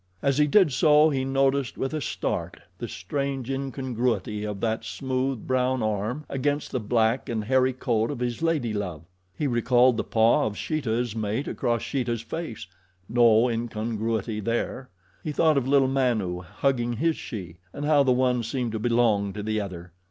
As he did so he noticed, with a start, the strange incongruity of that smooth, brown arm against the black and hairy coat of his lady love. He recalled the paw of Sheeta's mate across Sheeta's face no incongruity there. He thought of little Manu hugging his she, and how the one seemed to belong to the other.